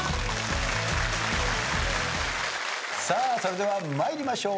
それでは参りましょう。